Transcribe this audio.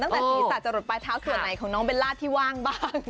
ตั้งแต่ตีสัตว์จะหลดปลายเท้าส่วนไหนของน้องเบลล่าที่ว่างบ้าง